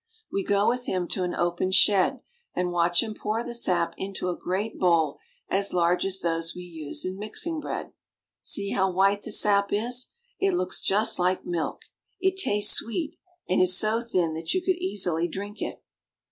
We go with him to an open shed, and watch him pour the sap into a great bowl as large as those we use in mixing bread. See how white the sap is! It looks just like milk. It tastes sweet, Smoking the Sap. and is so thin that you could easily drink it.